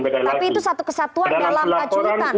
tapi itu satu kesatuan dalam kecurutan